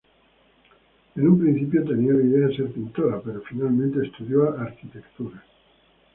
En un principio tenía la idea de ser pintora, pero finalmente estudió arquitectura.